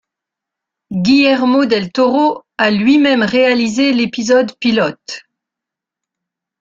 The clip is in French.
Guillermo del Toro a lui-même réalisé l'épisode pilote.